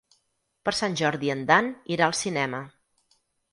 Per Sant Jordi en Dan irà al cinema.